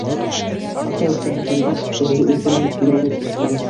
Уның ата-әсәһе бында, әле үҙе лә килгән, отпускыға.